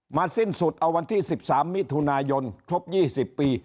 สิ้นสุดเอาวันที่๑๓มิถุนายนครบ๒๐ปี